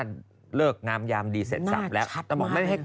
ว่าเลิกน้ำยามดีเสร็จสับแล้วหน้าชัดมาก